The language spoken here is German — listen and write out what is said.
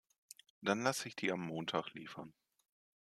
Dann lass ich die am Montag liefern.